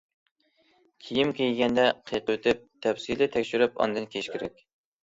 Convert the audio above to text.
كىيىم كىيگەندە قېقىۋېتىپ، تەپسىلىي تەكشۈرۈپ ئاندىن كىيىش كېرەك.